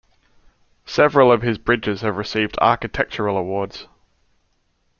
Several of his bridges have received architectural awards.